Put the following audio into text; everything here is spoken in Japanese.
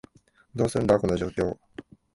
どうすんだ、この状況？